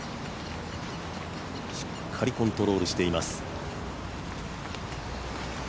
しっかりコントロールしています。